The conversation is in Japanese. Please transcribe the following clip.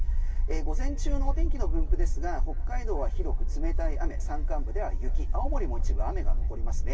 午前中のお天気の分布ですが北海道は広く冷たい雨山間部では雪青森も一部雨が残りますね。